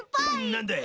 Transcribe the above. なんだい？